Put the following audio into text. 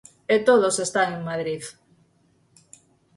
E todos están en Madrid.